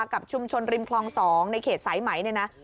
กับชุมชนริมคลอง๒ในเขตสายไหมเนี่ยนะ